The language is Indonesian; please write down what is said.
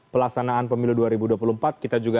pelaksanaan pemilu dua ribu dua puluh empat kita juga